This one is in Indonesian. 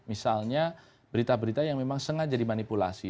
misalnya berita berita yang memang sengaja dimanipulasi